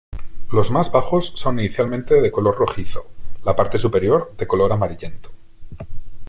Los más bajos son inicialmente de color rojizo, la parte superior de color amarillento.